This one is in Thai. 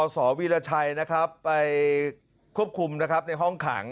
อสวีรชัยไปควบคุมในห้องขัง